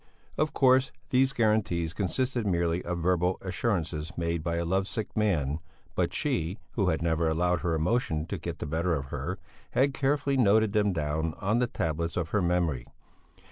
Of course these guarantees consisted merely of verbal assurances made by a love sick man, but she, who had never allowed her emotion to get the better of her, had carefully noted them down on the tablets of her memory.